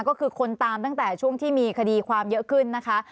ก็คือคนตามตั้งแต่ช่วงที่มีคดีความเยอะขึ้นนะคะ